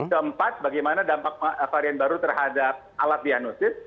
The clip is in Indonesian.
keempat bagaimana dampak varian baru terhadap alat diagnosis